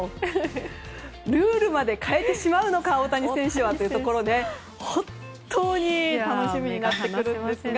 ルールまで変えてしまうのか大谷選手はというところも本当に楽しみになってくるんですが。